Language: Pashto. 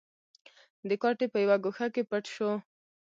د کوټې په يوه ګوښه کې پټ شو.